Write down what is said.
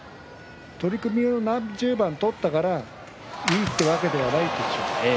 取組を何十番取ったからいいというわけではないんですよ。